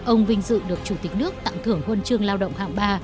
ông vinh dự được chủ tịch nước tặng thưởng quân trường lao động hạng ba